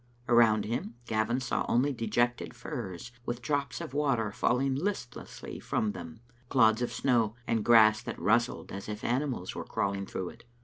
Around him, Gavin saw only dejected firs with drops of water falling listlessly from them, clods of snow, and grass that rustled as if animals were crawling through it.